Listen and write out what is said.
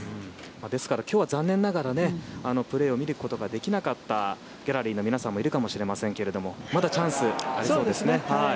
ですから今日は残念ながらプレーを見ることができなかったギャラリーの皆さんもいるかもしれませんがまだチャンス、ありそうですね。